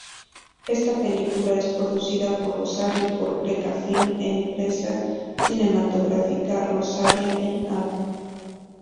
Esta película es producida en Rosario, por Greca Film Empresa Cinematográfica Rosarina, en Av.